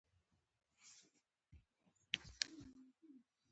د عملیات خونې ته تر وړلو څو شېبې مخکې ما ولید